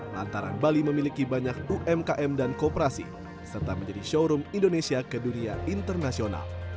lantaran bali memiliki banyak umkm dan kooperasi serta menjadi showroom indonesia ke dunia internasional